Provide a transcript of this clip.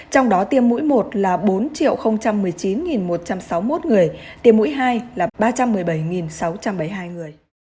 trong đó tiêm mũi một là bốn một mươi chín một trăm sáu mươi một người tiêm mũi hai là ba trăm một mươi bảy sáu trăm bảy mươi hai người